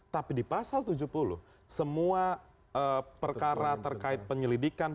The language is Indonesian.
tapi di pasal tujuh puluh semua perkara terkait penyelidikan